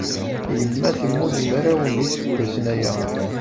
Yemma temmut mraw n yiseggasen aya.